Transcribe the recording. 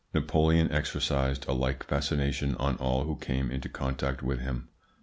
Napoleon exercised a like fascination on all who came into contact with him.